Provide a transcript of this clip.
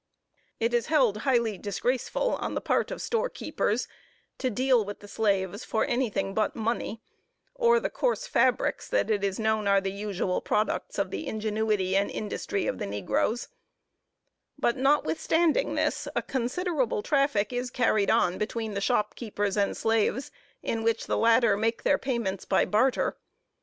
It is held highly disgraceful, on the part of store keepers, to deal with the slaves for any thing but money, or the coarse fabrics that it is known are the usual products of the ingenuity and industry of the negroes; but, notwithstanding this, a considerable traffic is carried on between the shop keepers and slaves, in which the latter make their payments by barter.